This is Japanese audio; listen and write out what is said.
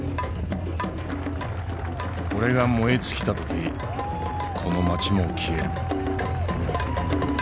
「俺が燃え尽きた時この街も消える」。